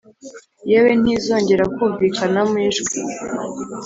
Yewe ntizongera kumvikanamo ijwi